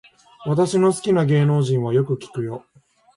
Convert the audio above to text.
私の好きな芸能人はよく聞くよ